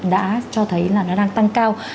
đã cho thấy là nó đang tăng cao